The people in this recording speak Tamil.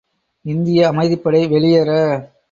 இந்திய அமைதிப்படை வெளியேற?